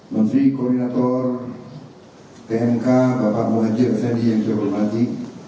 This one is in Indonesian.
menteri koordinator tnk bapak muhajir fendi yang saya hormati